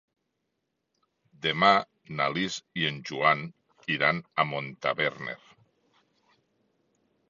Demà na Lis i en Joan iran a Montaverner.